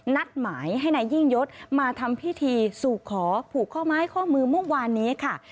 นัดหมายให้นายยิ่งยศมาทำพิธีสู่ขอผูกข้อไม้ข้อมือเมื่อวานนี้ค่ะ